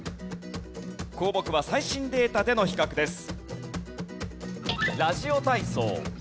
項目は最新データでの比較です。